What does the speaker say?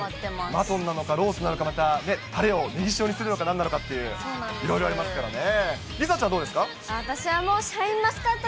マトンなのかロースなのか、またね、たれをねぎ塩にするのか、なんなのかっていう、いろいろありますからね。